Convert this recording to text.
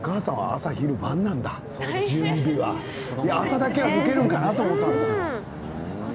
朝だけは抜けるかなと思ったんだけど。